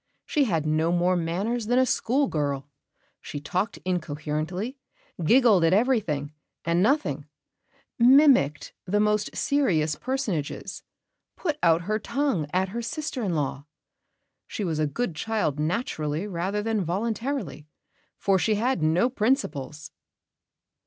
She had no more manners than a schoolgirl she talked incoherently, giggled at everything and nothing, mimicked the most serious personages, put out her tongue at her sister in law.... She was a good child naturally rather than voluntarily, for she had no principles."